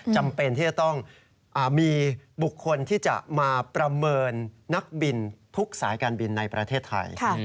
จำเป็นที่จะต้องมีบุคคลที่จะมาประเมินนักบินทุกสายการบินในประเทศไทย